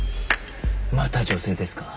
また女性ですか。